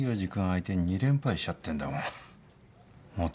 相手に２連敗しちゃってんだもんはっ。